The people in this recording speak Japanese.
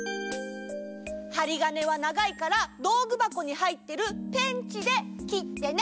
ハリガネはながいからどうぐばこにはいってるペンチできってね。